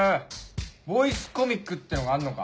ボイスコミックってのがあんのか。